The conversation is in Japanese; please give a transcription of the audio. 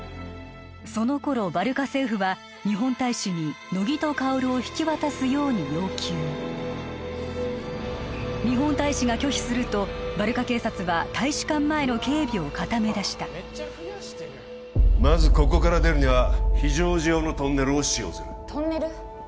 その頃バルカ政府は日本大使に乃木と薫を引き渡すように要求日本大使が拒否するとバルカ警察は大使館前の警備を固めだしたまずここから出るには非常時用のトンネルを使用するトンネル？